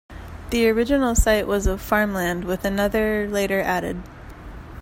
The original site was of farmland, with another later added.